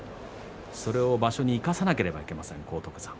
それを場所に生かさなければいけません。